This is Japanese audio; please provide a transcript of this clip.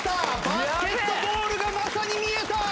バスケットボールがまさに見えた！